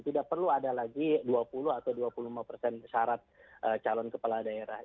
tidak perlu ada lagi dua puluh atau dua puluh lima persen syarat calon kepala daerah